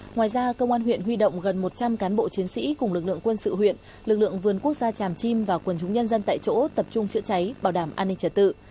ngoài ra công an huyện huy động gần một trăm linh cán bộ chiến sĩ cùng lực lượng quân sự huyện lực lượng vườn quốc gia tràm chim và quân chúng nhân dân tại chỗ tập trung chữa cháy bảo đảm an ninh trật tự